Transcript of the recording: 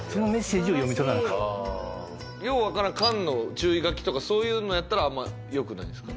要は缶の注意書きとかそういうのやったらあんま良くないですか？